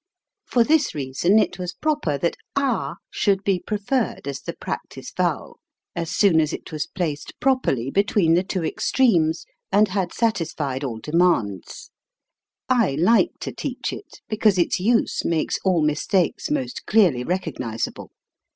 For this reason it was proper that ah should be preferred as the practice vowel, as soon as it was placed properly between the two ex 220 HOW TO SING tremes, and had satisfied all demands. I like to teach it, because its use makes all mis takes most clearly recognizable.